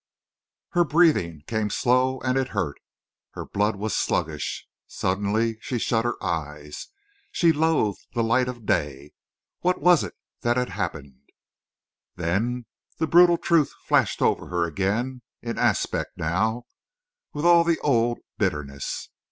Her breathing came slow and it hurt. Her blood was sluggish. Suddenly she shut her eyes. She loathed the light of day. What was it that had happened? Then the brutal truth flashed over her again, in aspect new, with all the old bitterness.